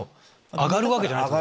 上がるわけじゃないってこと。